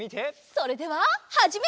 それでははじめ！